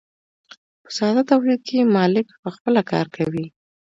په ساده تولید کې مالک پخپله کار کوي.